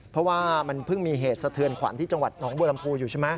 เพราะว่ามันเพิ่งมีเหตุสะเทือนขวัญที่จังหวัดหนองบัวลำพูอยู่ใช่ไหม